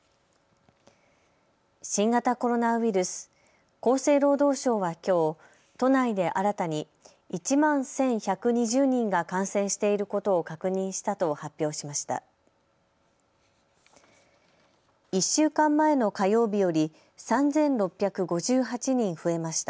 新型コロナウイルス、厚生労働省はきょう都内で新たに１万１１２０人が感染していることを確認したと発表しました。